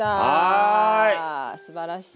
すばらしい。